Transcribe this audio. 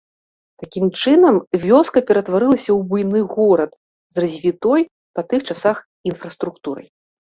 Такім чынам, вёска ператварылася ў буйны горад, з развітой па тых часах інфраструктурай.